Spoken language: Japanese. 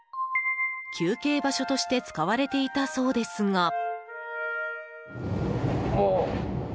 休憩場所として使われていたそうですが。